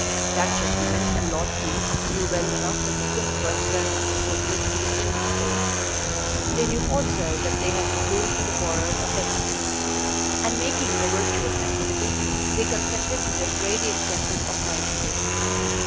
That gentleman and Lord T. knew well enough that the Crimsworths were an unscrupulous and determined race; they knew also that they had influence in the borough of X ; and, making a virtue of necessity, they consented to defray the expenses of my education.